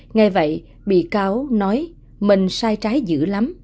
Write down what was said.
ngay vậy bị cáo nói mình sai trái dữ lắm